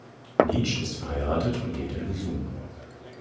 Nitsch ist verheiratet und lebt in Husum.